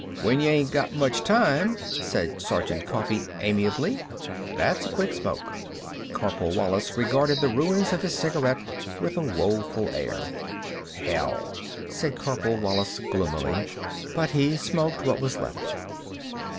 "When y' ain't got much time," said Sergeant Coffee amiably, "that's a quick smoke." Corporal Wallis regarded the ruins of his cigarette with a woeful air. "Hell!" said Corporal Wallis gloomily. But he smoked what was left.